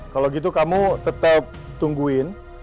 kalau gitu kamu tetap tungguin